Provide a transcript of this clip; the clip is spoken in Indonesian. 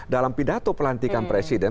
dalam pidato pelantikan presiden